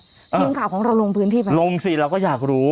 ทีมข่าวของเราลงพื้นที่ไปลงสิเราก็อยากรู้